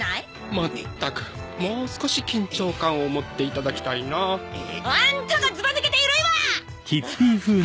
まったくもう少し緊張感を持っていただきたいなあアンタがズバ抜けてユルいわ！